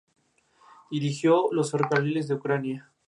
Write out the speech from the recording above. Cada una de las superestrellas de monstruos tiene su propio nivel de Caos.